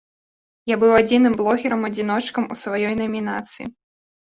Я быў адзіным блогерам-адзіночкам у сваёй намінацыі.